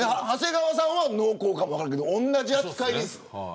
長谷川さんは濃厚かも分からんけど同じ扱いです。